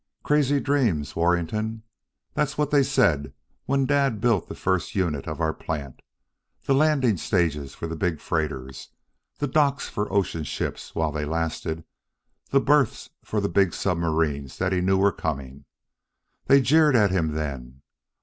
Crazy dreams, Warrington? That's what they said when Dad built the first unit of our plant, the landing stages for the big freighters, the docks for ocean ships while they lasted, the berths for the big submarines that he knew were coming. They jeered at him then.